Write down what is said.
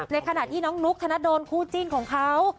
ในขณะที่น้องนุ๊กธนโดนคู่จิ้นของเขา